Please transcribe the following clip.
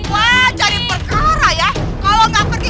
wah cari perkara ya kalau nggak pergi